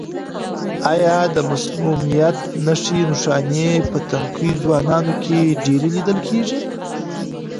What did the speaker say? آیا د مسمومیت نښې نښانې په تنکیو ځوانانو کې ډېرې لیدل کیږي؟